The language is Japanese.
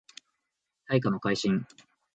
大化の改新